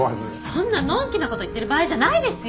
そんなのんきなこと言ってる場合じゃないですよ。